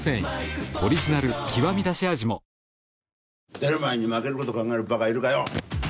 出る前に負けること考える馬鹿いるかよ！